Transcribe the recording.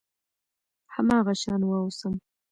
هماغه شان واوسم .